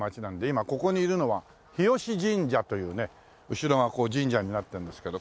今ここにいるのは日吉神社というね後ろがこう神社になってるんですけど。